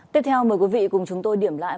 tiếp theo mời quý vị cùng chúng tôi điểm lại